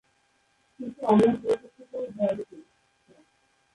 কিন্তু "আন্না" বিয়ে করতে চায় "হ্যারি"কে।